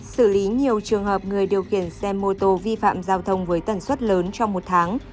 xử lý nhiều trường hợp người điều khiển xe mô tô vi phạm giao thông với tần suất lớn trong một tháng